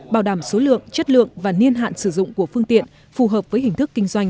bảo đảm số lượng chất lượng và niên hạn sử dụng của phương tiện phù hợp với hình thức kinh doanh